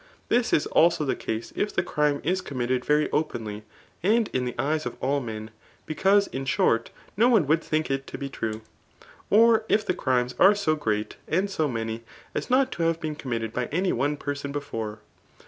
Thisis also the case if the crime is consr minnd very openly, and in die eyes of all men, because in riwft no one would think it to be true. Or if the crimes ati^ so freat, and so many, as not to have been cojounktei^ by any coe person before.